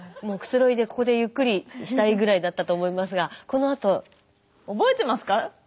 もうくつろいでここでゆっくりしたいぐらいだったと思いますがこのあと。覚えてますか？